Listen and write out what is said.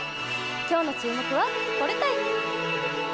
今日の注目は、これたい！